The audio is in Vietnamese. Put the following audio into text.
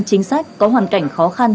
chính sách có hoàn cảnh khó khăn